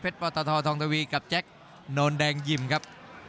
เพชรประวัติธรทองตวีกับแจ็คโน่นแดงยิ่มครับ